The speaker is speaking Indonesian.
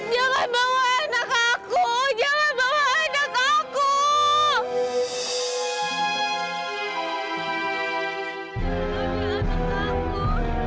jangan bawa anak aku mau jangan bawa anak aku